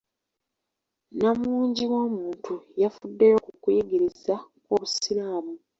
Nnamungi w'omuntu yafuddeyo ku kuyigiriza kw'Obusiraamu.